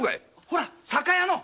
ほら酒屋の。